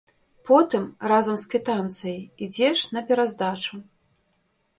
Потым разам з квітанцыяй ідзеш на пераздачу.